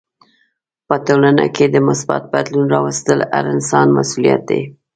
په ټولنه کې د مثبت بدلون راوستل هر انسان مسولیت دی.